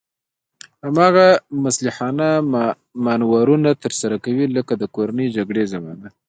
هماغه مسلحانه مانورونه ترسره کوي لکه د کورنۍ جګړې زمانه.